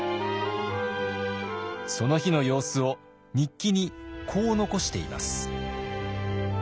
その日の様子を日記にこう残しています。